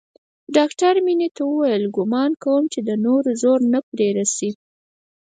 ډاکتر مينې ته وويل ګومان کوم چې د نورو زور نه پې رسي.